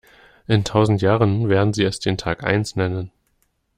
In tausend Jahren werden sie es den Tag eins nennen.